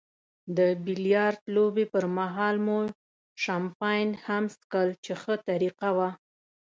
د بیلیارډ لوبې پرمهال مو شیمپین هم څیښل چې ښه طریقه وه.